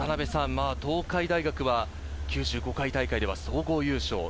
東海大学は９５回大会では総合優勝。